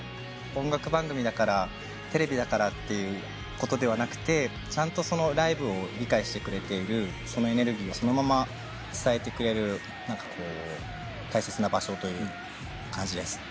音楽番組だからテレビだからってことではなくてちゃんとライブを理解してくれているそのエネルギーをそのまま伝えてくれる大切な場所という感じです。